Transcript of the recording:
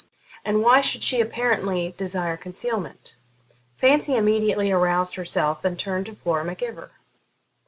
And why should she apparently desire concealment? Fancy immediately aroused herself and turned to Flora Mac Ivor.